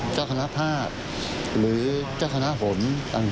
เจ้าคณะภาพหรือเจ้าคณะผมต่าง